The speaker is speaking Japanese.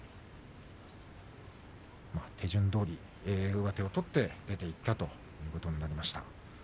手順どおり上手を取って出ていったという相撲になりました。